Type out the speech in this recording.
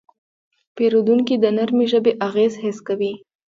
پیرودونکی د نرمې ژبې اغېز حس کوي.